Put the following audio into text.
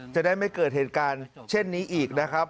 จะได้ไม่เกิดเหตุการณ์เช่นนี้อีกนะครับ